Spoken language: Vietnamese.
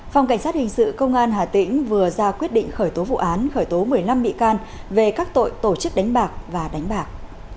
phòng cảnh sát hình sự công an hà tĩnh vừa ra quyết định khởi tố vụ án khởi tố một mươi năm bị can về các tội tổ chức đánh bạc và đánh bạc